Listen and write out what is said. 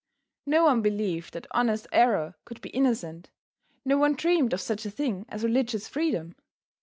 No one believed that honest error could be innocent; no one dreamed of such a thing as religious freedom.